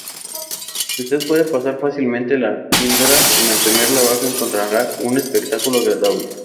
Si usted puede pasar fácilmente la píldora y mantenerla abajo, encontrará un espectáculo agradable.